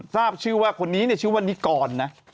ทราบชื่อว่าคนนี้ชื่อว่านิกรนะ